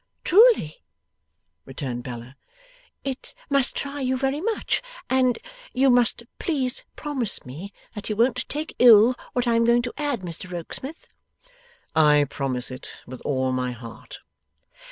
'Truly,' returned Bella, 'it must try you very much, and you must please promise me that you won't take ill what I am going to add, Mr Rokesmith?' 'I promise it with all my heart.